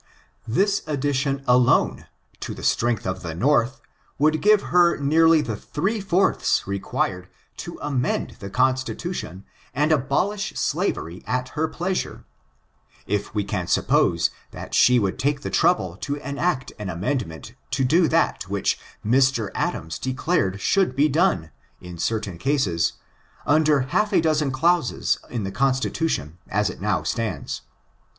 This addition alone to the strength of the North would give her nearly the three fourths required to amend the Constitution and abolish slavery at her pleasure, if we can suppose that she would take the trouble to enact an amendment to do that which Mr. Adams declared could be done, in certain cases, under half a dozen clauses in the Constitution as it now stands.